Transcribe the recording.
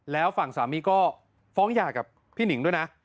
แล้วฝั่งสามีก็ฟ้องหย่ากับพี่หนิงด้วยนะ